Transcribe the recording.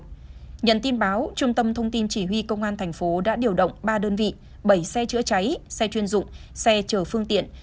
nhận tin báo trung tâm thông tin chỉ huy công an thành phố đã điều động ba đơn vị bảy xe chữa cháy xe chuyên dụng xe chở phương tiện